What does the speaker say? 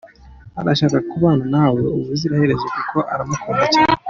Arashaka kubana nawe ubuziraherezo kuko aramukunda cyane.